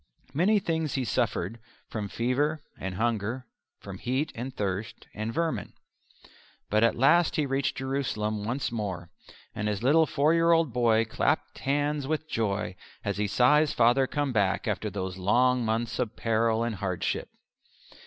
Many things he suffered from fever and hunger, from heat and thirst, and vermin. But at last he reached Jerusalem once more; and his little four year old boy clapped hands with joy as he saw his father come back after those long months of peril and hardship.